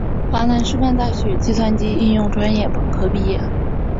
华南师范大学计算机应用专业本科毕业。